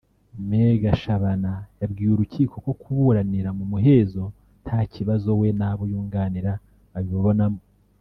Me Gashabana yabwiye urukiko ko kuburanira mu muhezo nta kibazo we n’abo yunganira babibonamo